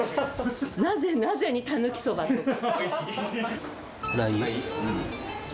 なぜ、なぜにたぬきそばという。